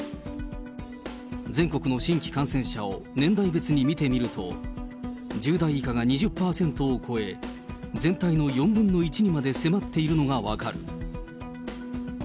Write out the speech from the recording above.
全国の新規感染者を年代別に見てみると、１０代以下が２０％を超え、全体の４分の１にまで迫っているのが分かる。